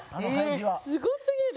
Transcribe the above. すごすぎる。